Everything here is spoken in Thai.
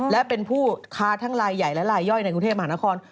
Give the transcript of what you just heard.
และเป็นผู้ค้าทั้งลายใหญ่และลายย่อยในกรุงเทพมหานคร